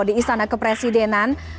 di istana kepresidenan